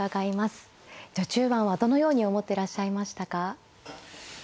序中盤はどのように思ってらっしゃいましたか。